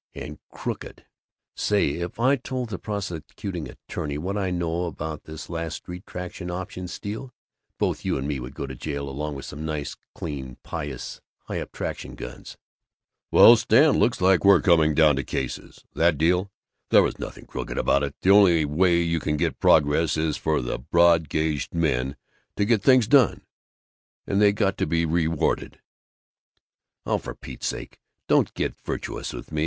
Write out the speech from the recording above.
And crooked Say, if I told the prosecuting attorney what I know about this last Street Traction option steal, both you and me would go to jail, along with some nice, clean, pious, high up traction guns!" "Well, Stan, looks like we were coming down to cases. That deal There was nothing crooked about it. The only way you can get progress is for the broad gauged men to get things done; and they got to be rewarded " "Oh, for Pete's sake, don't get virtuous on me!